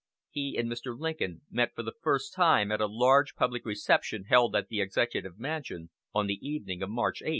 He and Mr. Lincoln met for the first time at a large public reception held at the Executive Mansion on the evening of March 8.